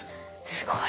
すごい。